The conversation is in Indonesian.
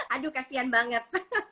aduh kasihan banget